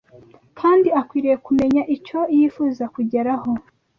kandi akwiriye kumenya icyo yifuza kugeraho